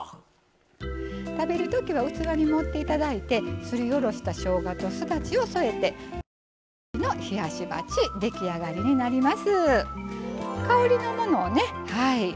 食べるときは器に盛っていただいてすり下ろしたしょうがとすだちを添えてとうがんとあじの冷やし鉢出来上がりになります。